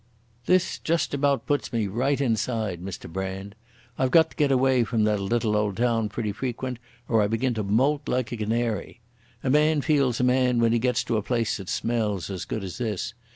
"This just about puts me right inside, Mr Brand. I've got to get away from that little old town pretty frequent or I begin to moult like a canary. A man feels a man when he gets to a place that smells as good as this.